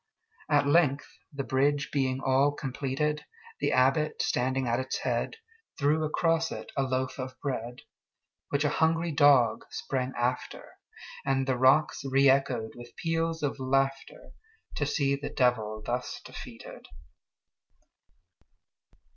At length, the bridge being all completed, The Abbot, standing at its head, Threw across it a loaf of bread, Which a hungry dog sprang after, And the rocks reëchoed with peals of laughterTo see the Devil thus defeated!